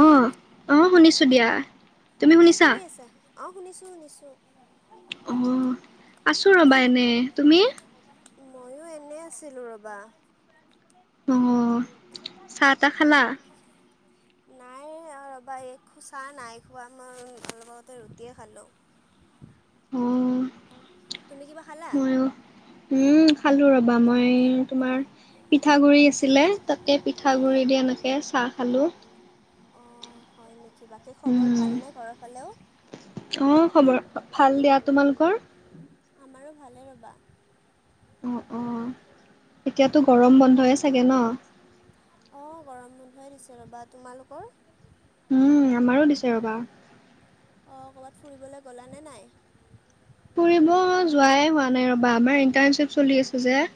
অ অ শুনিছো দিয়া। তুমি কি শুনিছা? কৰি আছা অ শুনিছো শুনিছো অ আছো ৰবা এনে তুমি ময়ো এনে আছিলো ৰবা অ চাহ তাহ খালা? নাই আ ৰবা এই খো চাহ নাই খোৱা মই অলপ আগতে ৰুটিয়ে খালো। অ', অ তুমি কিবা খালা। ময়ো উম খালো ৰবা মই তোমাৰ পিঠা গুৰি আছিলে তাতে পিঠা গুৰি দিয়া এনেকে চাহ খালো। অ হয় নেকি বাকী খবৰ উম, ভালনে ঘৰৰ ফালেও। অ খবৰ ভাল দিয়া তোমালোকৰ। আমাৰো ভালে ৰ'বা। অ অ এতিয়াতো গৰম বন্ধয়ে চাগে ন। অ গৰম বন্ধয়ে দিছে ৰ'বা তোমালোকৰ। উম আমাৰো দিছে ৰ'বা অ ক'ৰবাত ফুৰিবলৈ গ'লানে নাই ফুৰিব যোৱাই হোৱা নাই ৰ'বা আমাৰ ইণ্টাৰ্ণশ্বিপ চলি আছে যে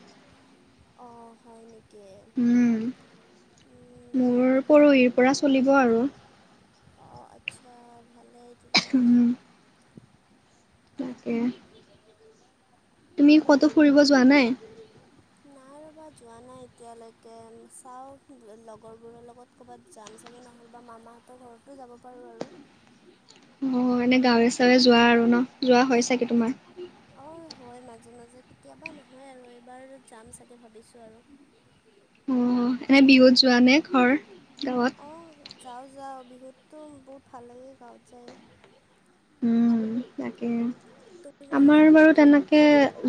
অ হয় নেকি উম। উম মোৰ পৰহিৰ পৰা চলিব আৰু অ আচ্ছা ভালেই তেতিয়াহ'লে উম তাকে তুমি ক'তো ফুৰিব যোৱা নাই নাই ৰ'বা যোৱা নাই এতিয়ালৈকে চাওঁ লগৰবোৰৰ লগত ক'ৰবাত যাম চাগে নহ'লে বা মামাহঁতৰ ঘৰতো যাব পাৰো আৰু অ এনে গাঁৱে ছাঁৱে যোৱা আৰু ন যোৱা হয় চাগে তোমাৰ অ হয় মাজে মাজে কেতিয়াবা নহয় আৰু এইবাৰ যাম চাগে ভাবিছো আৰু অ এনে বিহুত যোৱা নে ঘৰ গাঁৱত অ যাও যাও বিহুততো বহুত ভাল লাগে গাঁৱত যায় উম তাকে তুমি যোৱানে আমাৰ বাৰু তেনে কে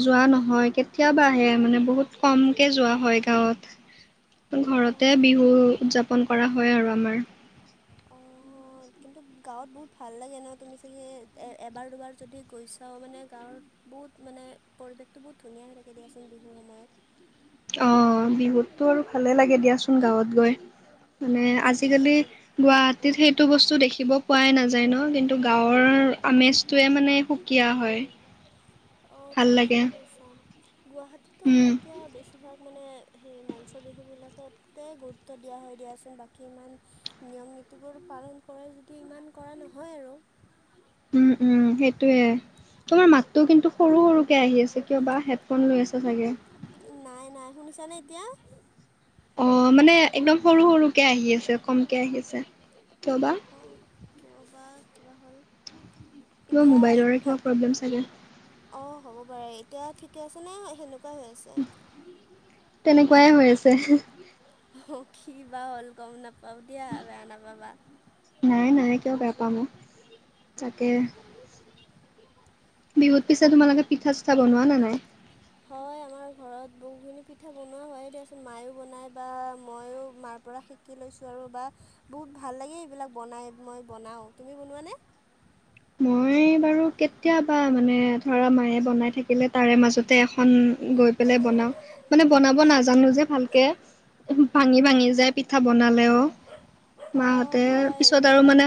যোৱা নহয় কেতিয়াবাহে মানে বহুত কমকে যোৱা হয় গাঁৱত অঁ ঘৰতে বিহু উদযাপন কৰা হয় আৰু আমাৰ অ অ কিন্তু গাঁৱত বহুত ভাল লাগে ন তুমি চাগে এবাৰ দুবাৰ যদি গৈছাও মানে গাঁৱৰ বহুত মানে পৰিৱেশটো বহুত ধুনীয়া হৈ লাগে দিয়াচোন বিহুৰ সময়ত অ বিহুততো আৰু ভালেই লাগে দিয়াচোন গাঁৱত গৈ মানে আজিকালি গুৱাহাটীত সেইটো বস্তু দেখিব পোৱাই নাযায় ন কিন্তু গাঁৱৰ আমেজটোৱে মানে সু কিয়া হয় অ ভাল তুমি লাগে ঠিকেই কৈছা গুৱাহাটীততো উম আমাৰ এতিয়া বেছিভাগ মানে সেই মঞ্চ বিহুবিলাক তে গুৰুত্ব দিয়া হৈ দিয়াচোন বাকী ইমান নিয়ম নীতিবোৰ পালন কৰে যদিও ইমান কৰা নহয় আৰু উম উম সেইটোয়ে তোমাৰ মাতটো কিন্তু সৰু সৰুকে আহি আছে কিয় বা হেডফোন লৈ আছা চাগে নাই নাই শুনিছানে এতিয়া অ মানে একদম সৰু সৰুকে আহি আছে কমকে আহি আছে কিয় বা অ কিয় বা কিবা হ'ল। মোৰ মোবাইলৰে কিবা প্ৰব্লেম চাগে অ হ'ব পাৰে এতিয়া ঠিকে আছে নে সেনেকুৱাই হৈ আছে। তেনেকুৱাই হৈ আছে‌। অ কি বা হ'ল গম নাপাও দিয়া বেয়া নাপাবা নাই নাই কিয় বেয়া পাম তাকে বিহু পিছত তোমালোকে পিঠা চিঠা বনোৱা নে নাই? হয় আমাৰ ঘৰত বহুখিনি পিঠা বনোৱা হয় দিয়াচোন মায়ো বনায় বা ময়ো মাৰ পৰা শি- কি লৈছোঁ আৰু বা বহুত ভাল লাগেই এইবিলাক বনাই মই বনাওঁ। তুমি বনোৱানে? মই বাৰু কেতিয়াবা মানে ধৰা মায়ে বনাই থাকিলে তাৰে মাজতে এ খন গৈ পেলাই বনাও মানে বনাব নাজানো যে ভাল- কে ভাঙি ভাঙি যায় পিঠা বনালেও। অঁ মাহঁতে হয়। পিছত আৰু মানে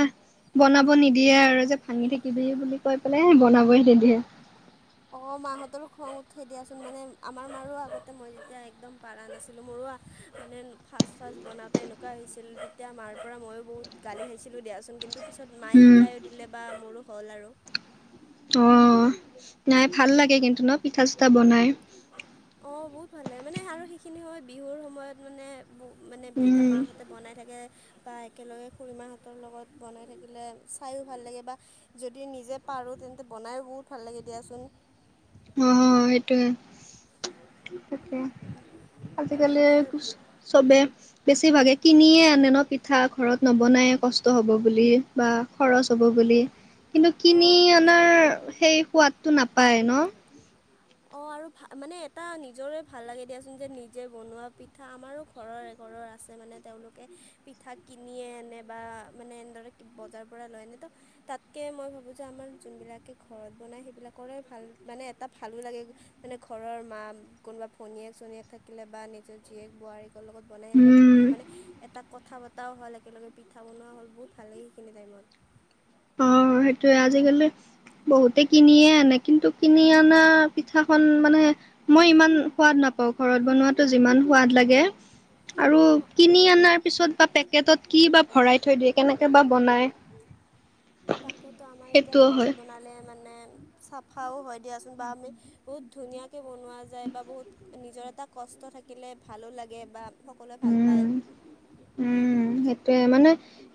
বনাব নিদিয়ে আৰু যে ভাঙি থাকিবি বুলি কৈ পেলাই বনাবই নিদিয়ে। অ মাহঁতৰো খং উঠৈ দিয়াচোন মানে আমাৰ মাৰো আগতে মই যেতিয়া একদম পৰা নাছিলোঁ মোৰো মানে ফাৰ্ষ্ট ফাৰ্ষ্ট বনাওঁতে এনেকুৱা হৈছিল তেতিয়া মাৰ পৰা ময়ো বহুত গালি খাইছিলোঁ দিয়াচোন কিন্তু পিছত মায়ে উম শিকায়ো দিলে বা মোৰো হ'ল আৰু। অ নাই ভাল লাগে কিন্তু ন পিঠা চিতা বনাই। অ বহুত ভাল লাগে মানে আৰু সেইখিনি হয় বিহুৰ সময়ত মানে ব মানে যেতিয়া উম মাহত বনাই থাকে বা একেলগে খুৰীমাহঁতৰ লগত বনাই থাকিলে চায়ো ভাল লাগে বা যদি নিজে পাৰোঁ তেন্তে বনাই বহুত ভাল লাগে দিয়াচোন। অ সেইটোয়ে তাকে বাকী আজিকালি এতিয়া কুছ- চবে বেছি ভাগে কিনিয়ে আনে ন পিঠ- ঠা ঘৰত নবনায় কষ্ট হ'ব বুলি বা খৰচ হ'ব বুলি। কিন্তু কিনি অঁ আনাৰ সেই সোৱাদটো নাপায় ন। অ আৰু ভ মানে এটা নিজৰে ভাল লাগে দিয়াচোন যে নিজে বনোৱা পিঠা আমাৰো ঘৰৰ এঘৰৰ আছে মানে তেওঁলোকে পিঠা কিনিয়ে আনে বা মানে এনেদৰে বজাৰৰ পৰা লৈ আনে ত তাতকে মই ভাবো যে আমাৰ যোনবিলাকে ঘৰত বনাই সেইবিলাকৰে ভাল মানে এটা ভা- ভালো লাগে মানে ঘৰৰ মা কোনোবা ভনীয়েক চনীয়েক থাকিলে বা নিজৰ জীয়েক বোৱাৰীক লগত বনাই উম সেনেকুৱা মানে এটা কথা বতৰাও হ'ল একেলগে পিঠা বনোৱা হ'ল বহুত ভাল লাগে সেইখিনি টাইমত। অ সেইটোৱে আজিকালি বহুতে কিনিয়ে আনে কিন্তু কিনি অনা পিঠাখন মানে মই ইমান সোৱাদ নাপাওঁ ঘৰত বনোৱাতো যিমান সোৱাদ লাগে। আৰু কিনি আনাৰ পিছত বা পেকেটত কি বা ভৰাই থৈ দিয়ে কেনেকে বা বনাই। তাকেতো আমাৰ এতিয়া সেইটোও হয় ঘৰত বনালে মানে চাফাও হয় দিয়াচোন বা আমি বহুত ধুনীয়াকে বনোৱা যায় বা বহুত নিজৰ এটা কষ্ট থাকিলে ভালো লাগে বা সকলোৱে ভাল পায়। উম উম সেইটোয়ে মানে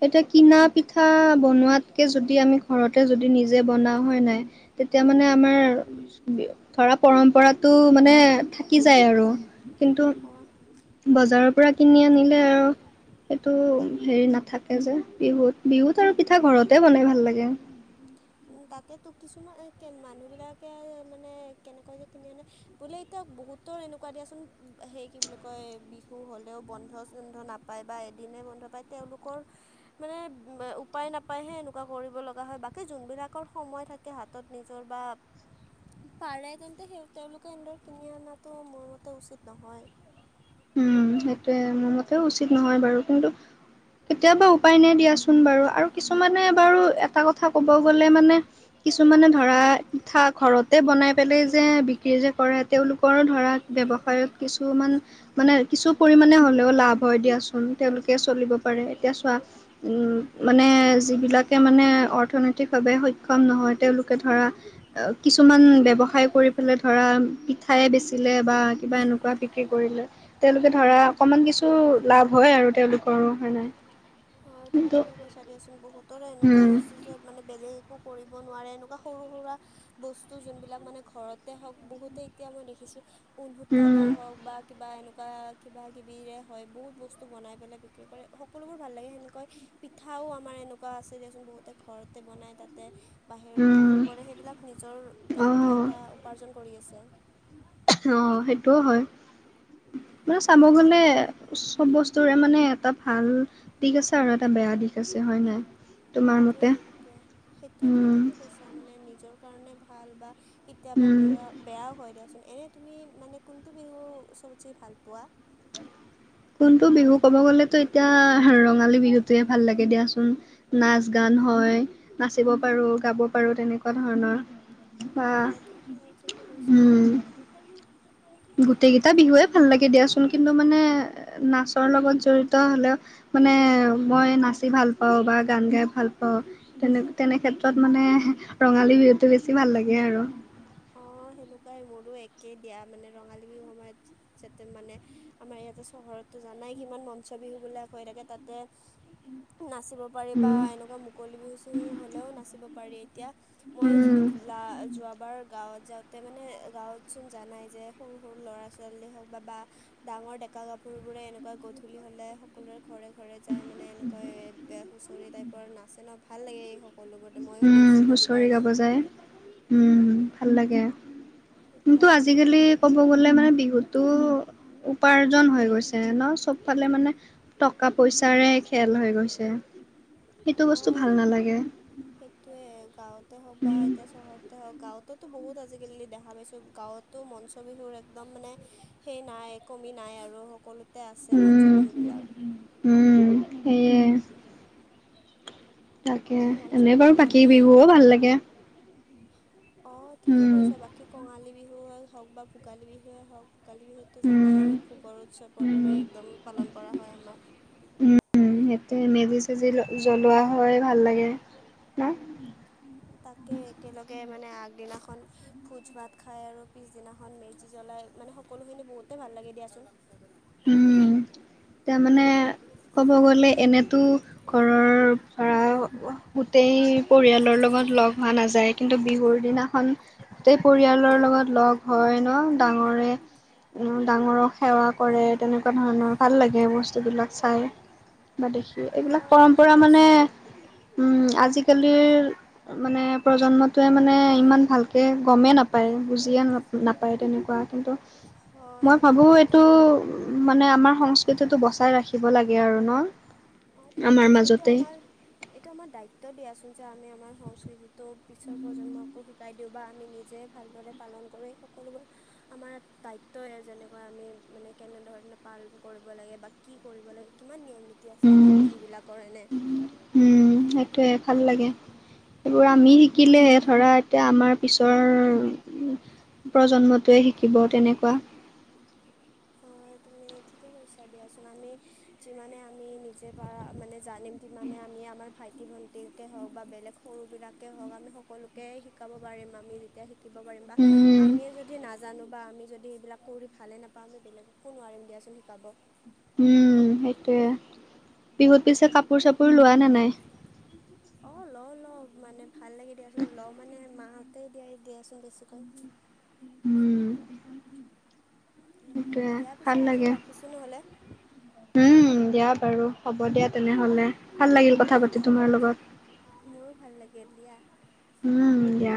এতিয়া কিনা পিঠা বনোৱাতকে যদি আমি ঘৰতে যদি নিজে বনাও হয় নাই। তেতিয়া মানে আমাৰ ধৰা পৰম্পৰা তো মানে থাকি যায় আৰু কিন্তু অহ বজাৰৰ পৰা কিনি আনিলে আও সেইটো হেৰি নাথাকে যে বিহুত বিহুত আৰু পিঠা ঘৰতে বনাই ভাল লাগে। তাকেতো কিছুমান মানুহবিলাকে মানে কেনেকৈ কে কিনি আনে বোলে এতিয়া বহুতৰ এনেকুৱা দিয়াচোন সেই কি বুলি কয় বিহু হ'লেও বন্ধ চন্ধ নাপ- পায় বা এদিনে বন্ধ পায় তেওঁলোকৰ মানে উপায় নাপায়হে এনেকুৱা কৰিব লগা হয় বাকী যোনবিলাক সময় থাকে হাতত নিজৰ বা পাৰে তেন্তে সেই তেওঁলোকে এনেদৰে কিনি অনাটো মোৰ মতে উচিত নহয়। উম, সেইটোৱে আৰু। মোৰ মতেও উচিত নহয় বাৰু কিন্তু কেতিয়াবা উপায় নাই দিয়াচোন বাৰু আৰু কিছুমানে বাৰু এটা কথা কব গলে মানে কিছুমানে ধৰা পিঠা ঘৰতে বনাই পেলাই যে বিক্ৰী যে কৰে তেওঁলোকৰো ধৰা ব্যৱসায়ত কিছুমান মানে কিছু পৰিমাণে হ'লেও লাভ হয় দিয়াচোন তেওঁলোকে চলিব পাৰে এতিয়া চোৱা উম, মানে যিবিলাকে মানে অৰ্থনৈতিকভাৱে সক্ষম নহয় তেওঁলোকে ধৰা কিছুমান ব্যৱসায় কৰি পেলে ধৰা, পিঠায় বেচিলে বা কিবা এনেকুৱা বিক্ৰী কৰিলে। তেওঁলোকে ধৰা অকমান কিছু লাভ হয় আৰু তেওঁলোকৰো হয় নাই। হয় তুমি‌ কিন্তু ঠিকেই কৈছা দিয়াচোন, বহুতৰে এনেকুৱা উম, হৈছে যে মানে বেলেগ একো কৰিব নোৱাৰে এনেকুৱা সৰু-সুৰা বস্তু যোনবিলাক মানে ঘৰত তে হওক, বহুতে এতিয়া মই দেখিছোঁ উনসূতাৰে উম, হওক বা কিবা এনেকুৱা কিবা-কিবিৰে হয় বহুত বস্তু বনাই পেলাই বিক্ৰী কৰে, সকলোবোৰ ভাল লাগে সেনেকৈ পিঠাও আমাৰ এনেকুৱা আছে দিয়াচোন বহুতে ঘৰতে বনাই তাতে বাহিৰত উম, বিক্ৰী কৰে, সেইবিলাক নিজৰ তেওঁলোকে অ', এটা উপাৰ্জন কৰি আছে। অ', সেইটোও হয়। মানে চাব গ'লে চব বস্তু ৰে মানে এটা ভাল দিশ আছে আৰু এটা বেয়া দিশ আছে, হয় নাই? তোমাৰ সেইটোৱে, মতে? সেইটোৱে, সেইটোৱে তুমি উম, ঠিকেই কৈছা মানে নিজৰ কাৰণে ভাল বা কেতিয়াবা উম। বেয়া-বেয়াও হয় দিয়াচোন। এনে তুমি মানে কোনটো বিহু চবতচে ভাল পোৱা? কোনটো বিহু ক'ব গ'লেতো এতিয়া, ৰঙালী বিহুটোৱে ভাল লাগে দিয়াচোন। নাচ-গান হয়, নাচিব পাৰো, গাব পাৰো, তেনেকুৱা ধৰণৰ। হা, হয় তুমি ঠিকে কৈছা উম। গোটেই কেইটা বিহুৱে ভাল লাগে দিয়াচোন, কিন্তু মানে নাচৰ লগত জড়িত হলে মানে মই নাচি ভাল পাওঁ বা গান গাই ভাল পাওঁ। তেনে, তেনে ক্ষেত্ৰত মানে ৰঙালী বিহুটো বেছি ভাল লাগে আৰু। অ', সেনেকুৱাই মোৰো একেই দিয়া মানে ৰঙালী বিহু সময়ত যাতে মানে আমাৰ ইয়াতে চহৰততো জানাই কিমান মঞ্চ বিহু বিলাক হৈ থাকে, তাতে নাচিব পাৰিবা উম এনেকুৱা মুকলি বিহু-চিহু হ'লেও নাচিব পাৰি, এতিয়া মই যি উম লা যোৱাবাৰ গাঁৱত যাওঁতে মানে, গাঁৱতচোন জানাই যে সৰু-সৰু ল'ৰা-ছোৱালী হওক বা বা ডাঙৰ ডেকা-গাভৰুবোৰে এনেকুৱা গধূলি হলে সকলোৰে ঘৰে-ঘৰে যায় মানে একা এ হুঁচৰি টাইপৰ নাচে ন, ভাল লাগে এই সকলোবোৰ। ময়ো উম, গৈছিলোঁ হুঁচৰি দুবাৰমান গাব যায় উম, ভাল লাগে। কিন্তু ভাল লাগে এইবোৰ আজিকালি ক'ব গ'লে মানে বিহুতো উপাৰ্জন হৈ গৈছে ন, চবফালে মানে টকা পইচাৰে খেল হৈ গৈছে, সিটো বস্তু ভাল নালাগে। সেইটোয়ে গাঁৱতে হওক বা উম এতিয়া চহৰত হ গাঁৱততো বহুত আজিকালি দেখা পাইছোঁ, গাঁৱতো মঞ্চ বিহুৰ একদম মানে সেই নাই, কমি নাই আৰু সকলোতে আছে মঞ্চ উম বিহুবিলাক। উম সেয়ে [unintelligible] তাকে, তো মঞ্চ এনেই বিহু বাৰু বাকী বিহুও ভাল লাগে। অ', ঠিকেই উম কৈছা, বাকী কঙালী বিহুৱেই হওক বা ভোগালী বিহুৱেই হওক ভোগালী বিহুতো জানাই উম আৰু ভোগৰ উৎসৱৰ উম দৰে একদম পালন কৰা হয় আমাৰ। সেইটো, মেজি-চেজি জ্বলোৱা হয় ভাল লাগে ন। তাকে একেলগে মানে আগদিনাখন ভোজ ভাত খায় আৰু পিছদিনাখন মেজি জ্বলাই। মানে সকলোখিনি বহুতেই ভাল লাগে দিয়াচোন। উম, তাৰ মানে ক'ব গ'লে এনেতো ঘৰৰ পাৰা গোটেই পৰিয়ালৰ লগত লগ হোৱা নাযায়। কিন্তু বিহুৰ দিনাখন গোটেই পৰিয়ালৰ লগত লগ হয় ন, ডাঙৰে ডাঙৰক সেৱা কৰে, তেনেকুৱা ধৰণৰ ভাল লাগে বস্তুবিলাক চাই। ব দেখি এইবিলাক অঁ ঠিকে পৰম্পৰা মানে কৈছা উম, আজিকালিৰ মানে প্ৰজন্মটোৱে মানে ইমান ভালকে গমেই নাপায় বুজিয়ে নাপ নাপায় তেনেকুৱা কিন্তু হয় মই ভাবো কিন্তু উম, মানে আমাৰ সংস্কৃতিটো বচাই ৰাখিব লাগে আৰু ন। অ', ঠিকে আমাৰ কৈছা এইটো মাজতে আমাৰ, এইটো আমাৰ দায়িত্ব দিয়াচোন যে আমি আমাৰ সংস্কৃতি তো পিছৰ প্ৰজন্মকো শিকাই দিওঁ বা আমি নিজেই ভালদৰে পালন কৰি, এই সকলোবোৰ আমাৰ দায়িত্বই যেনে কোৱা আমি মানে কেনেধৰণে পালন কৰিব লাগে বা কি কৰিব লাগে কিমান নিয়ম নীতি আছে আমাৰ উম বিহুবিলাকৰ এনে। উম সেইটোয়ে ভাল লাগে। এইবোৰ আমি শিকিলেহে ধৰা এতিয়া আমাৰ পিছৰ প্ৰজন্মটোৱে শিকিব তেনেকুৱা। হয় তুমি ঠিকে কৈছা দিয়াচোন আমি যিমানে আমি নিজে পাৰা মানে জানিম মানে আমি আমাৰ ভাইটি ভণ্টিকে হওক বা বেলেগ সৰুবিলাকেই হওক আমি সকলো তেই শিকাব পাৰিম আমি যেতিয়া শি থাকিব পাৰিম বা উম আমিয়ে যদি নাজানো বা আমি যদি এইবিলাক কৰি ভালে নাপাওঁ আমি বেলেগকো নোৱাৰিম দিয়াচোন শিকাব। উম, সেইটোয়ে বিহুত পিছে কাপোৰ চাপোৰ লোৱা নে নাই? অ', লওঁ-লওঁ মানে ভাল লাগে দিয়াচোন লওঁ মানে মা হতেই দিয়াই দিয়াচোন বেছিকৈ। হম। সেইটোৱে দিয়া পিছে ভাল আজি লাগে। ৰাখিছোঁ নহ'লে উম, দিয়া বাৰু হ'ব দিয়া তেনেহ'লে ভাল লাগিল কথা পাতি তোমাৰ লগত। মোৰো ভাল লাগিল দিয়া। উম, দিয়া।